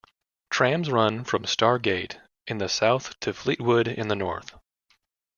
Trams run from Starr Gate in the south to Fleetwood in the north.